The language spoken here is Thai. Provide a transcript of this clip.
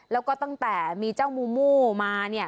แล้วก็ตั้งแต่มีเจ้ามูมูมาเนี่ย